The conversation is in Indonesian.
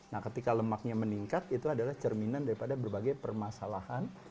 nah ketika lemaknya meningkat itu adalah cerminan daripada berbagai permasalahan